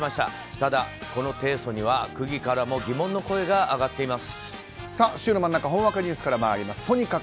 ただ、この提訴には区議からも疑問の声が上がっています。